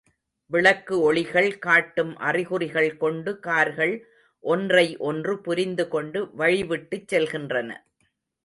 விளக்கு ஒளிகள் காட்டும் அறிகுறிகள் கொண்டு கார்கள் ஒன்றை ஒன்று புரிந்துகொண்டு வழி விட்டுச் செல்கின்றன.